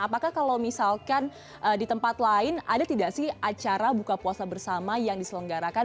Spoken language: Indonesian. apakah kalau misalkan di tempat lain ada tidak sih acara buka puasa bersama yang diselenggarakan